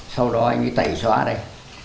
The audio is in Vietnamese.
sau đó anh ấy tẩy xóa đây